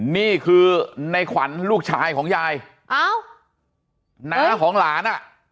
นี่คือในขวัญลูกชายของยายอ้าวน้าของหลานอ่ะ